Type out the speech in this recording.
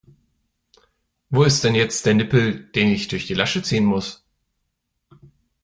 Wo ist denn jetzt der Nippel, den ich durch die Lasche ziehen muss?